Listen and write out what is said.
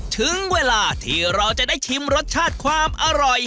ถึงเวลาที่เราจะได้ชิมรสชาติความอร่อย